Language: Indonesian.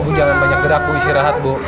bu jangan banyak gerak bu isi rahat bu